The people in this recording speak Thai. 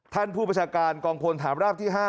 ท่านผู้ประชาการกองพลฐานราบที่๕